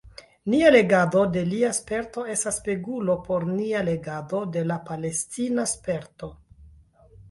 Nia legado de lia sperto estas spegulo por nia legado de la palestina sperto.